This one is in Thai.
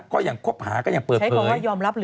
ก็ยังครบหาก็ยังเปิดเผย